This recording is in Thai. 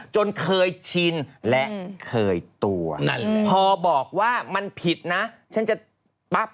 จนเคยชินและเคยตัวพอบอกว่ามันผิดนะฉันจะปั๊บ